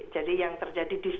jadi yang terjadi distrust